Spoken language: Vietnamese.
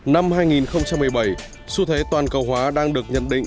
năm hai nghìn một mươi bảy xu thế toàn cầu hóa đang được nhận định